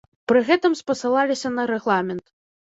Пры гэтым спасылаліся на рэгламент.